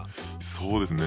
そうですね。